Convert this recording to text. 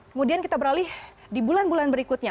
kemudian kita beralih di bulan bulan berikutnya